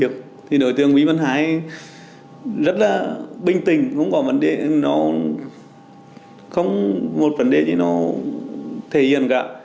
cũng không thể hiền cả